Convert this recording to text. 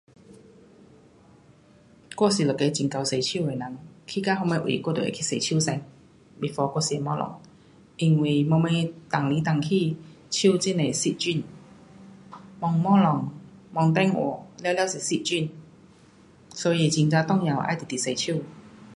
我是一个很会洗手的人。去到什么位我都会去洗手先 before 我吃东西。因为到尾动来动去，手很多细菌。动东西动电话全部是细菌。所以很呀重要要直直洗手。